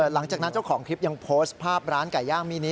หลังจากนั้นเจ้าของคลิปยังโพสต์ภาพร้านไก่ย่างมินิ